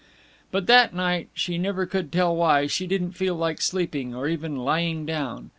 But that night, she never could tell why, she didn't feel like sleeping or even lying down.